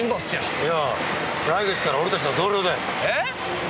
いや来月から俺たちの同僚だよ。え！？